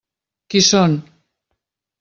Qui són?